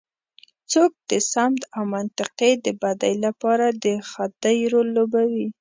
څوک د سمت او منطقې د بدۍ لپاره د خدۍ رول لوبوي.